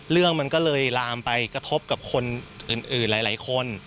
เรื่องมันก็เลยลามไปกระทบกับคนอื่นหลายคน